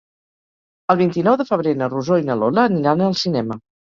El vint-i-nou de febrer na Rosó i na Lola aniran al cinema.